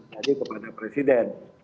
tadi kepada presiden